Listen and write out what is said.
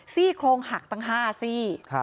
ซี่โครงหักตั้ง๕ซี่